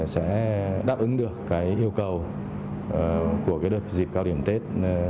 sẽ đáp ứng được cái yêu cầu của cái đợt dịp cao điểm tết